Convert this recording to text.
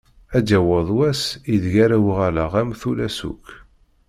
Ad d-yaweḍ wass i deg ara uɣaleɣ am tullas akk.